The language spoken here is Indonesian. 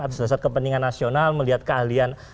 atas dasar kepentingan nasional melihat keahlian